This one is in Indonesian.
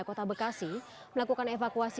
kota bekasi melakukan evakuasi